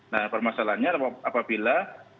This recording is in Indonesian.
nah permasalahannya apabila